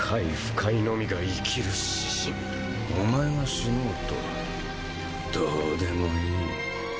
お前が死のうとどうでもいい。